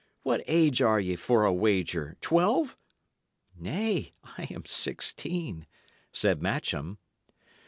What age are ye, for a wager? twelve?" "Nay, I am sixteen," said Matcham.